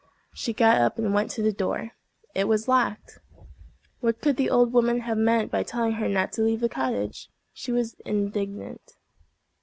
She got up and went to the door. It was locked! What could the old woman have meant by telling her not to leave the cottage? She was indignant.